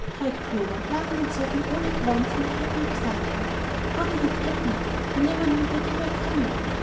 cried Clover, laughing and sobbing all at once in her happy excitement. "How did it happen? I never knew that you were coming."